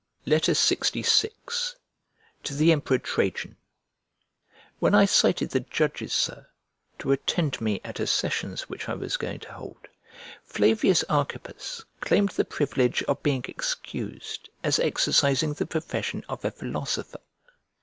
LXVI To THE EMPEROR TRAJAN WHEN I cited the judges, Sir, to attend me at a sessions [1044b] which I was going to hold, Flavius Archippus claimed the privilege of being excused as exercising the profession of a philosopher.